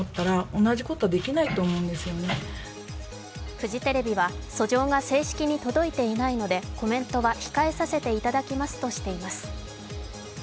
フジテレヒは訴状が正式に届いていないのでコメントは控えさせていただきますとしています。